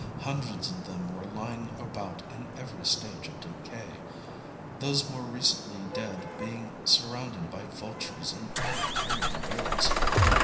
Hundreds of them were lying about in every stage of decay, those more recently dead being surrounded by vultures and other carrion birds.